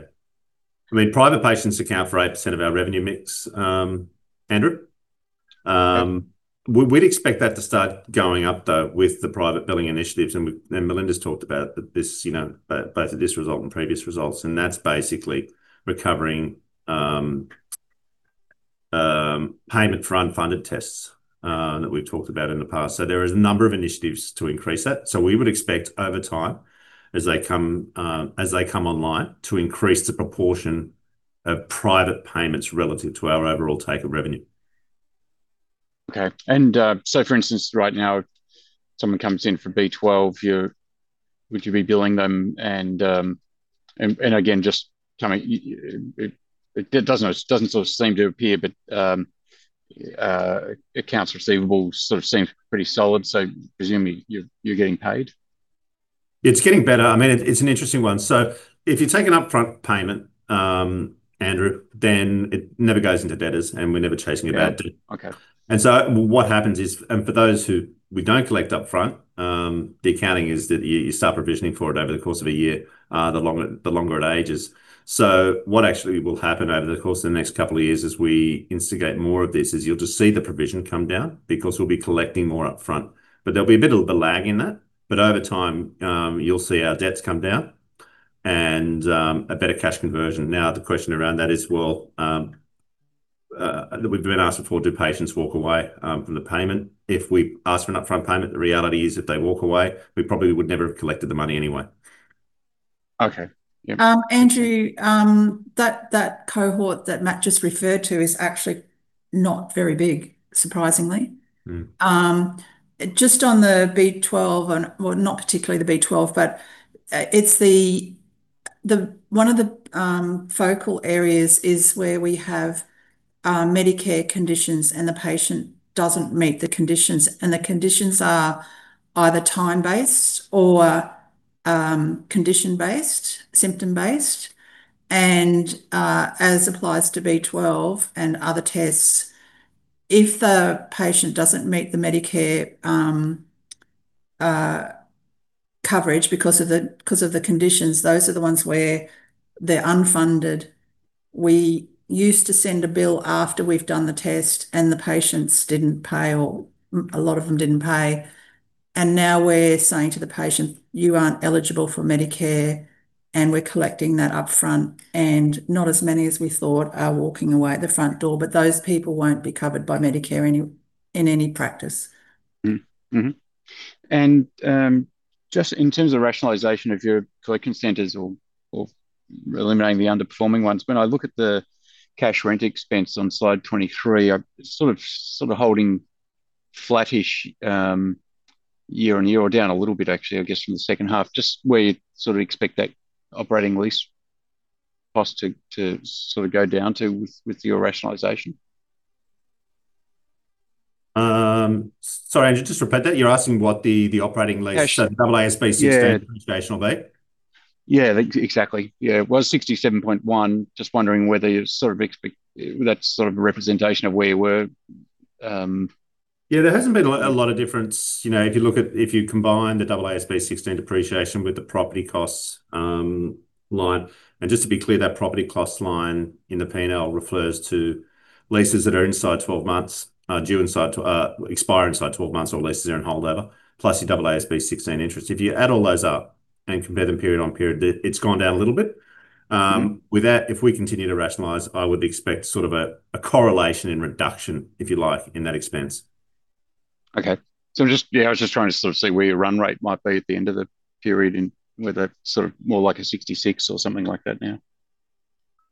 I mean, private patients account for 8% of our revenue mix, Andrew. We, we'd expect that to start going up, though, with the private billing initiatives, and we, and Melinda's talked about that this, you know, both at this result and previous results, and that's basically recovering, payment for unfunded tests, that we've talked about in the past. So there is a number of initiatives to increase that. So we would expect over time, as they come, as they come online, to increase the proportion of private payments relative to our overall take of revenue. Okay. And so for instance, right now, someone comes in for B12, would you be billing them? And again, just kind of, it doesn't sort of seem to appear, but accounts receivable sort of seems pretty solid, so I presume you're getting paid? It's getting better. I mean, it's an interesting one. So if you take an upfront payment, Andrew, then it never goes into debtors, and we're never chasing a bad debt. Yeah. Okay. So what happens is, and for those who we don't collect upfront, the accounting is that you start provisioning for it over the course of a year, the longer, the longer it ages. What actually will happen over the course of the next couple of years as we instigate more of this, is you'll just see the provision come down because we'll be collecting more upfront. There'll be a bit of a lag in that, but over time, you'll see our debts come down and a better cash conversion. Now, the question around that is, well, we've been asked before, do patients walk away from the payment? If we ask for an upfront payment, the reality is, if they walk away, we probably would never have collected the money anyway. Okay. Yep. Andrew, that cohort that Matt just referred to is actually not very big, surprisingly. Mm. Just on the B12 and... Well, not particularly the B12, but, it's one of the focal areas is where we have Medicare conditions, and the patient doesn't meet the conditions. And the conditions are either time-based or condition-based, symptom-based. And as applies to B12 and other tests, if the patient doesn't meet the Medicare coverage because of the 'cause of the conditions, those are the ones where they're unfunded. We used to send a bill after we've done the test, and the patients didn't pay or a lot of them didn't pay, and now we're saying to the patient: "You aren't eligible for Medicare, and we're collecting that upfront." And not as many as we thought are walking away at the front door, but those people won't be covered by Medicare in any practice. And, just in terms of rationalization of your collection centers or eliminating the underperforming ones, when I look at the cash rent expense on slide 23, sort of holding flattish, year-on-year, or down a little bit actually, I guess, from the second half. Just where you'd sort of expect that operating lease cost to sort of go down to with your rationalization. Sorry, Andrew, just repeat that. You're asking what the operating lease- Yeah... AASB 16 rationalization will be? Yeah, exactly. Yeah, it was 67.1. Just wondering whether you sort of expect, whether that's sort of a representation of where you were. Yeah, there hasn't been a lot of difference. You know, if you look at if you combine the AASB 16 depreciation with the property costs line. And just to be clear, that property cost line in the P and L refers to leases that are inside 12 months, or due to expire inside 12 months, or leases that are on holdover, plus your AASB 16 interest. If you add all those up and compare them period-on-period, it's gone down a little bit. Mm-hmm. With that, if we continue to rationalize, I would expect sort of a correlation and reduction, if you like, in that expense. Okay. So I'm just... Yeah, I was just trying to sort of see where your run rate might be at the end of the period, and whether sort of more like a 66 or something like that now.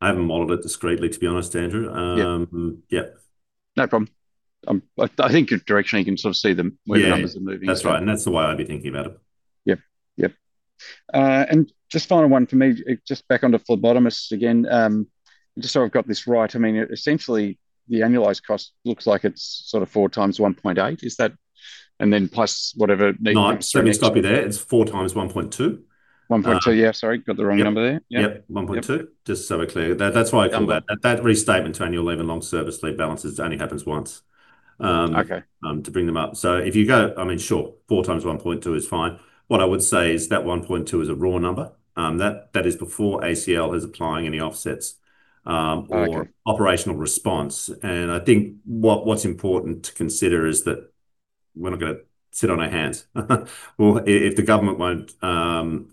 I haven't modeled it discretely, to be honest, Andrew. Yep. Um, yeah. No problem. I think directionally you can sort of see the- Yeah... where the numbers are moving. That's right, and that's the way I'd be thinking about it. Yep. Yep. And just final one for me, just back onto phlebotomists again. Just so I've got this right, I mean, essentially, the annualized cost looks like it's sort of 4 times 1.8. Is that... And then plus whatever the- No, let me stop you there. It's 4 times 1.2. 1.2, yeah, sorry. Uh- Got the wrong number there. Yep, 1.2. Yep. Just so we're clear. Yep... that's why I come back. That restatement to annual leave and long service leave balances only happens once. Okay... to bring them up. So if you go, I mean, sure, 4 times 1.2 is fine. What I would say is that 1.2 is a raw number. That is before ACL is applying any offsets, Okay... or operational response. And I think what's important to consider is that we're not gonna sit on our hands. Well, if the government won't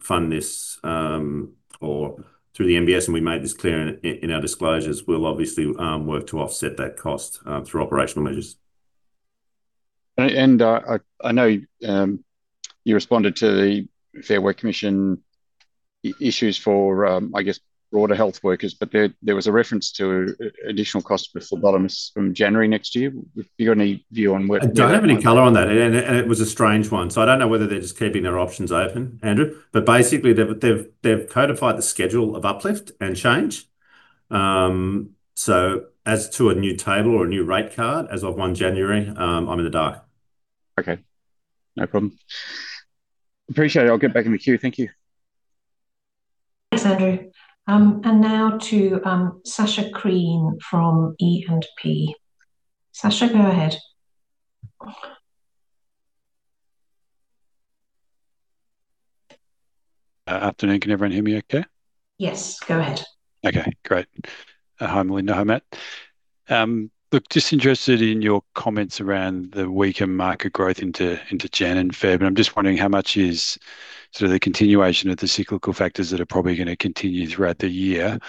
fund this or through the MBS, and we made this clear in our disclosures, we'll obviously work to offset that cost through operational measures. And I know you responded to the Fair Work Commission issues for broader health workers, but there was a reference to an additional cost for phlebotomists from January next year. Have you got any view on where that might- I don't have any color on that, and it was a strange one, so I don't know whether they're just keeping their options open, Andrew. But basically, they've codified the schedule of uplift and change. So as to a new table or a new rate card, as of 1 January, I'm in the dark. Okay, no problem. Appreciate it. I'll get back in the queue. Thank you. Thanks, Andrew. And now to Sacha Krien from E&P. Sacha, go ahead. Afternoon. Can everyone hear me okay? Yes, go ahead. Okay, great. Hi, Melinda. Hi, Matt. Look, just interested in your comments around the weaker market growth into, into January and February, and I'm just wondering how much is sort of the continuation of the cyclical factors that are probably gonna continue throughout the year,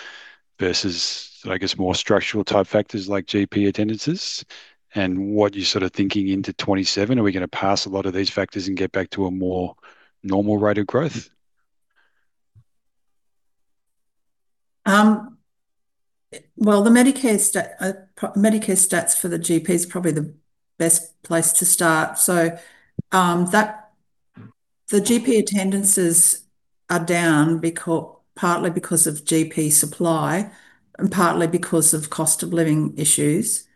versus, I guess, more structural-type factors like GP attendances? And what you're sort of thinking into '2027. Are we gonna pass a lot of these factors and get back to a more normal rate of growth? Well, the Medicare stats for the GP is probably the best place to start. So, that, the GP attendances are down partly because of GP supply, and partly because of cost of living issues.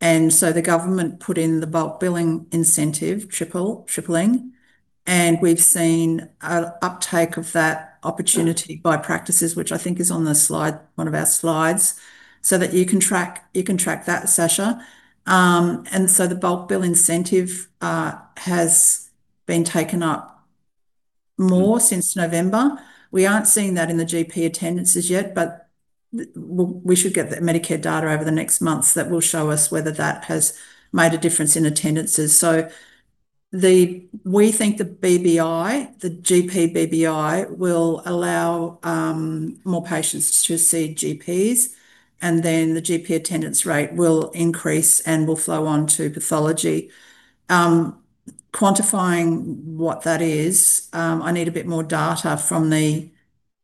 And so the government put in the bulk billing incentive, tripling, and we've seen an uptake of that opportunity by practices, which I think is on the slide, one of our slides. So that you can track, you can track that, Sacha. And so the bulk bill incentive has been taken up more since November. We aren't seeing that in the GP attendances yet, but we should get the Medicare data over the next months that will show us whether that has made a difference in attendances. So we think the BBI, the GP BBI, will allow more patients to see GPs, and then the GP attendance rate will increase and will flow on to pathology. Quantifying what that is, I need a bit more data from the,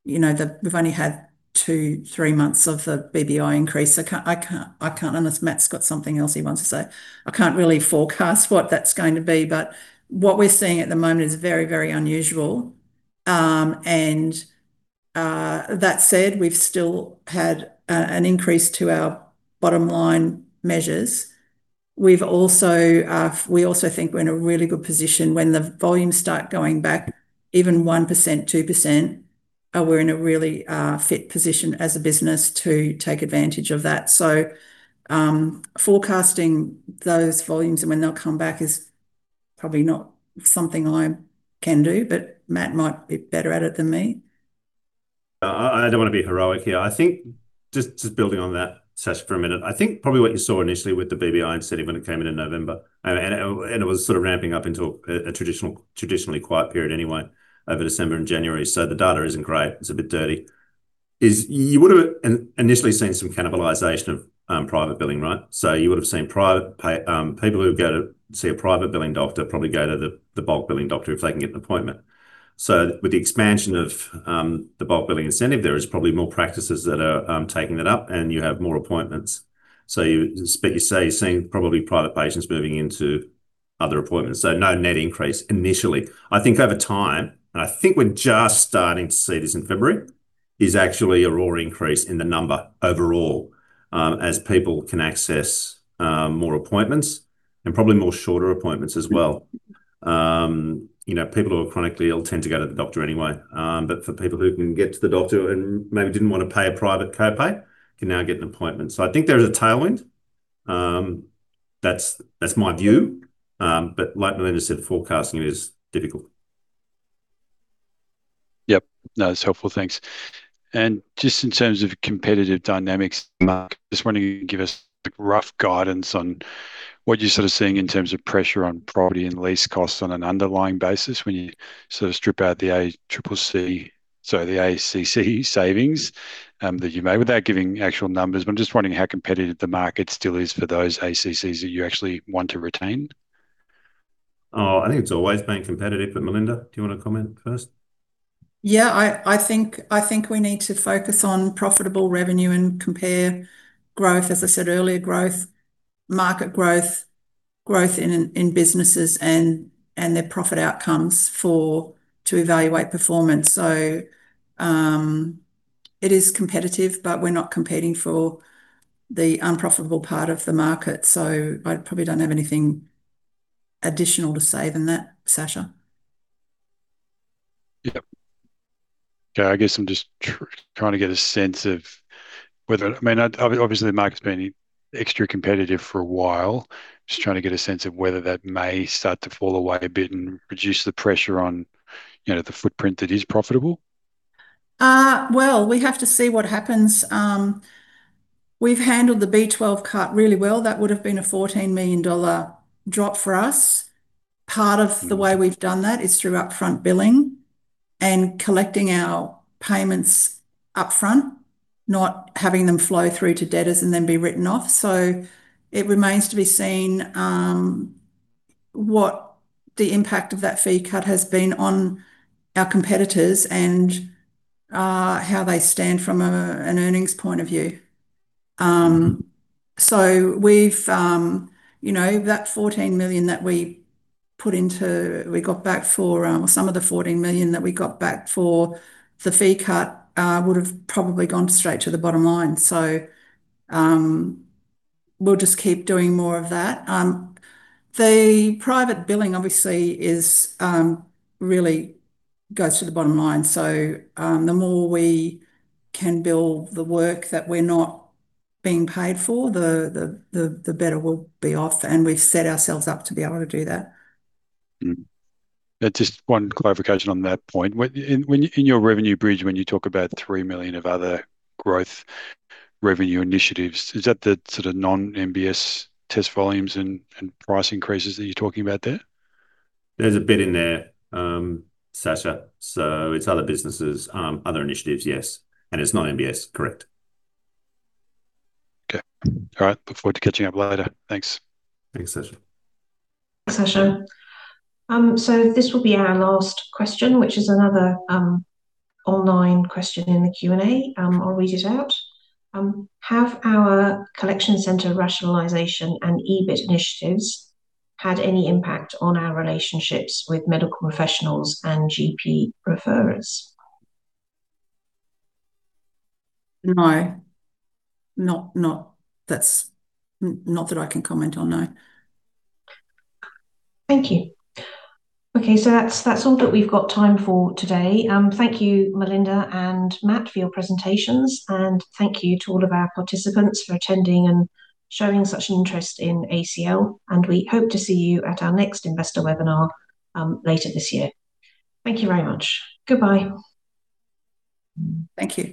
you know, we've only had two, three months of the BBI increase, so I can't... Unless Matt's got something else he wants to say. I can't really forecast what that's going to be, but what we're seeing at the moment is very, very unusual. That said, we've still had an increase to our bottom line measures. We also think we're in a really good position when the volumes start going back, even 1%, 2%, we're in a really fit position as a business to take advantage of that. So, forecasting those volumes and when they'll come back is probably not something I can do, but Matt might be better at it than me. I don't want to be heroic here. I think, just building on that, Sacha, for a minute, I think probably what you saw initially with the BBI incentive when it came in in November, and it was sort of ramping up into a traditionally quiet period anyway, over December and January, so the data isn't great, it's a bit dirty, is you would've initially seen some cannibalization of private billing, right? So you would've seen private pay, people who go to see a private billing doctor probably go to the bulk billing doctor if they can get an appointment. So with the expansion of the bulk billing incentive, there is probably more practices that are taking that up, and you have more appointments. So you... But you say you're seeing probably private patients moving into other appointments, so no net increase initially. I think over time, and I think we're just starting to see this in February, is actually a raw increase in the number overall, as people can access, more appointments, and probably more shorter appointments as well. You know, people who are chronically ill tend to go to the doctor anyway, but for people who can get to the doctor and maybe didn't want to pay a private co-pay, can now get an appointment. So I think there is a tailwind. That's, that's my view. But like Melinda said, forecasting is difficult. Yep. No, it's helpful. Thanks. Just in terms of competitive dynamics, Matt, just wondering if you could give us rough guidance on what you're sort of seeing in terms of pressure on property and lease costs on an underlying basis when you sort of strip out the ACC, so the ACC savings that you made, without giving actual numbers, but I'm just wondering how competitive the market still is for those ACCs that you actually want to retain. Oh, I think it's always been competitive, but Melinda, do you want to comment first? Yeah, I think we need to focus on profitable revenue and compare growth, as I said earlier, market growth, growth in businesses and their profit outcomes to evaluate performance. So, it is competitive, but we're not competing for the unprofitable part of the market. So I probably don't have anything additional to say than that, Sacha. Yep. Okay, I guess I'm just trying to get a sense of whether... I mean, obviously, the market's been extra competitive for a while. Just trying to get a sense of whether that may start to fall away a bit and reduce the pressure on, you know, the footprint that is profitable. Well, we have to see what happens. We've handled the B12 cut really well. That would've been an 14 million dollar drop for us. Part of the way we've done that is through upfront billing and collecting our payments upfront, not having them flow through to debtors and then be written off. So it remains to be seen, what the impact of that fee cut has been on our competitors and, how they stand from a, an earnings point of view. So we've, you know, that 14 million that we put into, we got back for, some of the 14 million that we got back for the fee cut, would've probably gone straight to the bottom line. So, we'll just keep doing more of that. The private billing, obviously, is really goes to the bottom line. So, the more we can bill the work that we're not being paid for, the better we'll be off, and we've set ourselves up to be able to do that. Mm-hmm. Yeah, just one clarification on that point. When in your revenue bridge, when you talk about 3 million of other growth revenue initiatives, is that the sort of non-MBS test volumes and price increases that you're talking about there? There's a bit in there, Sacha. So it's other businesses, other initiatives, yes. And it's non-MBS, correct. Okay. All right. Look forward to catching up later. Thanks. Thanks, Sacha. Thanks, Sacha. So this will be our last question, which is another online question in the Q&A. I'll read it out. Have our collection center rationalization and EBIT initiatives had any impact on our relationships with medical professionals and GP referrers? No. Not, that's not that I can comment on, no. Thank you. Okay, so that's, that's all that we've got time for today. Thank you, Melinda and Matt, for your presentations, and thank you to all of our participants for attending and showing such an interest in ACL, and we hope to see you at our next investor webinar, later this year. Thank you very much. Goodbye. Thank you.